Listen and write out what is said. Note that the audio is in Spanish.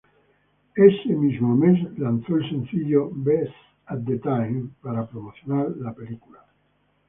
Ese mismo mes, lanzó el sencillo "Best At The Time" para promocionar la película.